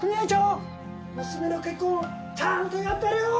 娘の結婚ちゃんと祝ってやれよ！